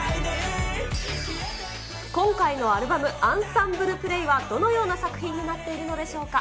今回のアルバム、アンサンブル・プレイはどのような作品になっているのでしょうか。